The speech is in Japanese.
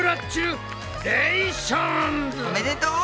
おめでとう！